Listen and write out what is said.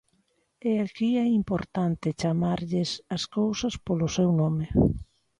E aquí é importante chamarlles ás cousas polo seu nome.